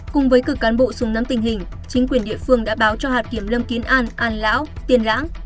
cùng với cử cán bộ xuống nắm tình hình chính quyền địa phương đã báo cho hạt kiểm lâm kiến an an lão tiền lãng